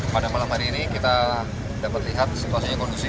pada malam hari ini kita dapat lihat situasinya kondusif